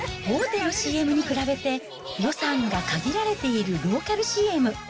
大手のＣＭに比べて、予算が限られているローカルＣＭ。